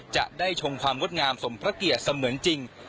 จะได้ชมความงดงามสมพระเกียรติเสมือนจริง